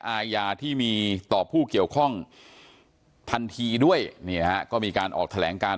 อายาที่มีต่อผู้เกี่ยวข้องทันทีด้วยนี่นะฮะก็มีการออกแถลงการ